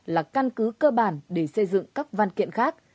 là căn cứ cơ bản để xây dựng các văn kiện khác